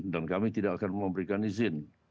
dan kami tidak akan memberikan izin